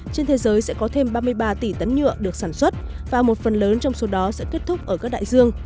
trên thế giới sẽ có thêm ba mươi ba tỷ tấn nhựa được sản xuất và một phần lớn trong số đó sẽ kết thúc ở các đại dương